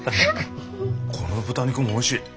この豚肉もおいしい。